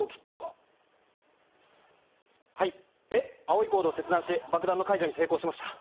青いコードを切断し爆弾の解除に成功しました。